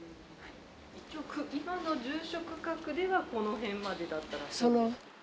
一応今の住所区画ではこの辺までだったらしい。